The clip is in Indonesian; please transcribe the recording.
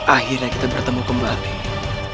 akhirnya kita bertemu kembali